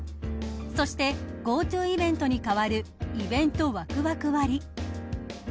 そしてＧｏＴｏイベントに代わるイベントワクワク割。